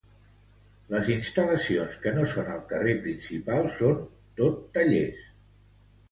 Les instal·lacions que no són al carrer principal són tot tallers.